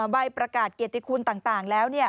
ใบประกาศเกียรติคุณต่างแล้ว